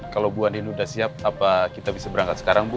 kalau bu andin udah siap apa kita bisa berangkat sekarang bu